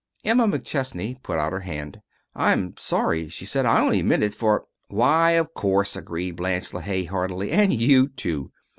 Emma McChesney put out her hand. "I'm sorry," she said. "I only meant it for " "Why, of course," agreed Blanche LeHaye, heartily. "And you, too."